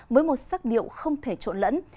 với một sắc điệu không thể trộn lẫn